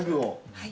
はい。